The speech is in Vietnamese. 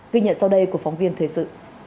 ghi nhận sau đây của phóng viên thời sự